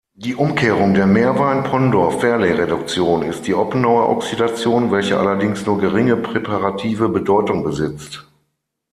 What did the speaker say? Die Umkehrung der Meerwein-Ponndorf-Verley-Reduktion ist die Oppenauer-Oxidation, welche allerdings nur geringe präparative Bedeutung besitzt.